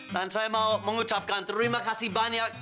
dan saya mau mengucapkan terima kasih banyak